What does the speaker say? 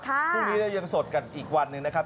พรุ่งนี้เรายังสดกันอีกวันหนึ่งนะครับ